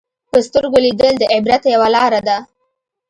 په سترګو لیدل د عبرت یوه لاره ده